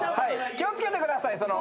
気を付けてください。